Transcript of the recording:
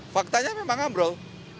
faktanya memang ambrol